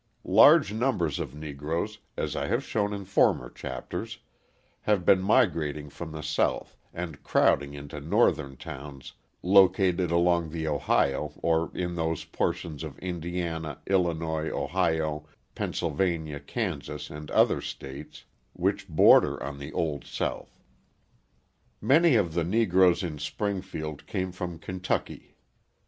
Large numbers of Negroes, as I have shown in former chapters, have been migrating from the South, and crowding into Northern towns located along the Ohio or in those portions of Indiana, Illinois, Ohio, Pennsylvania, Kansas, and other states, which border on the Old South. Many of the Negroes in Springfield came from Kentucky.